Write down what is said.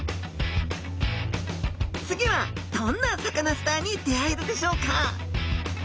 次はどんなサカナスターに出会えるでしょうか。